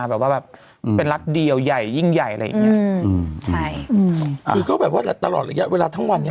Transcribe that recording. แบบว่าแบบเป็นรัฐเดียวย่างใหญ่ยิ่งใหญ่อะไรอย่างนี้คือก็แบบว่าตลอดระยะเวลาทั้งวันนี้